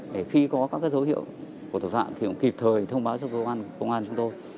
để khi có các dấu hiệu của tội phạm thì cũng kịp thời thông báo cho cơ quan công an chúng tôi